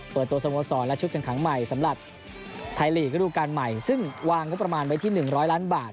เปิดตัวสโมสรและชุดกันขังใหม่สำหรับไทยลีก็ดูการใหม่ซึ่งวางก็ประมาณไปที่หนึ่งร้อยล้านบาท